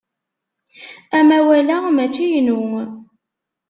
Amawal-a mačči inu.